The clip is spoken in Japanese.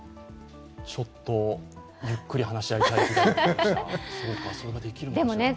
ちょっとゆっくり話し合いたい、それができるのか。